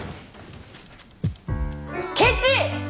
ケチ！